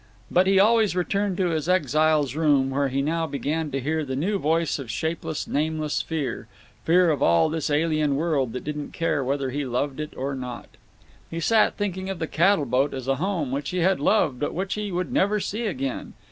But he always returned to his exile's room, where he now began to hear the new voice of shapeless nameless Fear—fear of all this alien world that didn't care whether he loved it or not. He sat thinking of the cattle boat as a home which he had loved but which he would never see again.